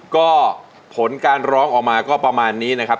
ก็ผลการร้องออกมาก็ประมาณนี้นะครับ